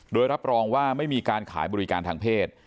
โดยรับรองว่าไม่มีการขายบริการทางเพศ